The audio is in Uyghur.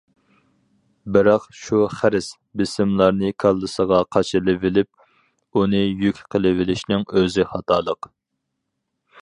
بىراق، شۇ خىرىس، بېسىملارنى كاللىسىغا قاچىلىۋېلىپ، ئۇنى يۈك قىلىۋېلىشنىڭ ئۆزى خاتالىق.